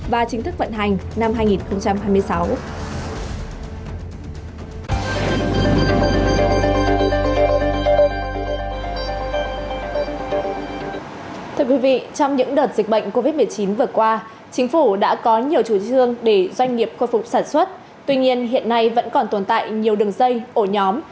và chính thức vận hành năm hai nghìn hai mươi sáu